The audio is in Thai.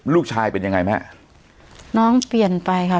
ลูกชายเป็นยังไงแม่น้องเปลี่ยนไปค่ะ